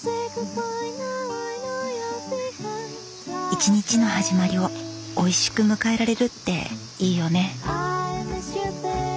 一日の始まりをおいしく迎えられるっていいよね。